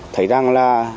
thấy rằng là